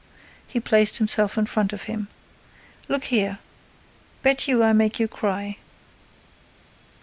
He placed himself in front of him. "Look here, bet you I make you cry!